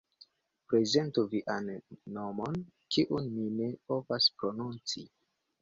Prezentu vian nomon, kiun mi ne povas prononci